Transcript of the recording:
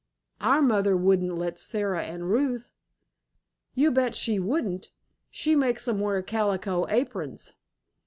Our mother wouldn't let Sara and Ruth." "You bet she wouldn't. She makes 'em wear calico aprons."